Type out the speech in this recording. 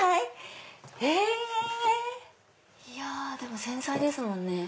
⁉でも繊細ですもんね。